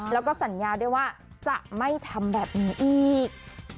แล้วก็สัญญาด้วยว่าจะไม่ทำแบบนี้อีก